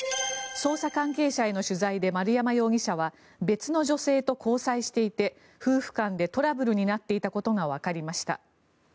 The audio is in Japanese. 捜査関係者への取材で丸山容疑者は別の女性と交際していて夫婦間でトラブルになっていたことがわかりました。